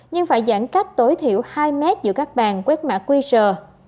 nhưng phải giãn cách tối thiểu hai m giữa các bàn quét mã quy rờ